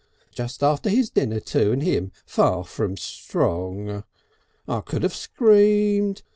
Just after his dinner too and him far from strong. I could have screamed.